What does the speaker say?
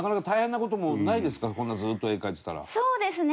そうですね